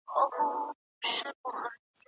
څېړنه د نړیوالو معیارونو پر بنسټ جوړه شوه.